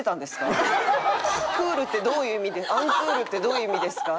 クールってどういう意味でアンクールってどういう意味ですか？